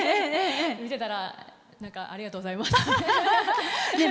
見てたら、ありがとうございます。